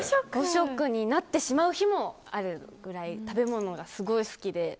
５食になってしまう日もあるくらい食べ物がすごい好きで。